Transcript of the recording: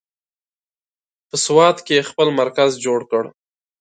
په سوات کې یې خپل مرکز جوړ کړ.